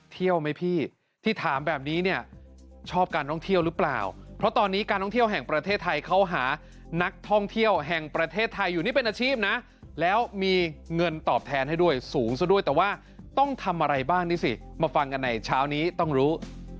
เที่ยวไหมพี่ที่ถามแบบนี้เนี่ยชอบการท่องเที่ยวหรือเปล่าเพราะตอนนี้การท่องเที่ยวแห่งประเทศไทยเขาหานักท่องเที่ยวแห่งประเทศไทยอยู่นี่เป็นอาชีพนะแล้วมีเงินตอบแทนให้ด้วยสูงซะด้วยแต่ว่าต้องทำอะไรบ้างนี่สิมาฟังกันในเช้านี้ต้องรู้